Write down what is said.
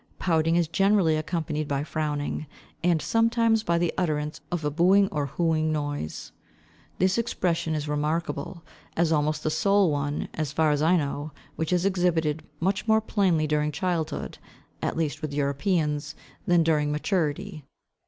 Pouting is generally accompanied by frowning, and sometimes by the utterance of a booing or whooing noise. This expression is remarkable, as almost the sole one, as far as I know, which is exhibited much more plainly during childhood, at least with Europeans, than during maturity.